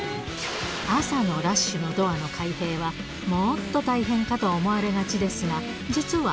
朝のラッシュのドアの開閉は、もっと大変かと思われがちですが、実は。